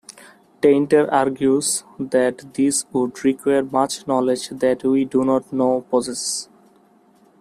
Tainter argues that this would require much knowledge that we do not now possess.